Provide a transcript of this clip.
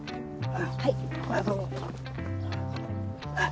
はい。